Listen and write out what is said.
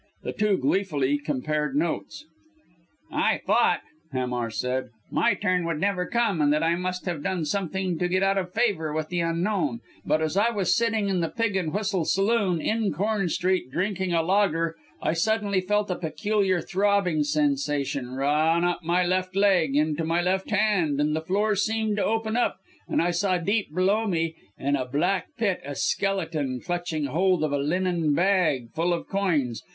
The two gleefully compared notes. "I thought," Hamar said, "my turn would never come, and that I must have done something to get out of favour with the Unknown; but as I was sitting in the Pig and Whistle Saloon in Corn Street drinking a lager, I suddenly felt a peculiar throbbing sensation run up my left leg into my left hand, and the floor seemed to open up, and I saw deep below me, in a black pit, a skeleton clutching hold of a linen bag, full of coins.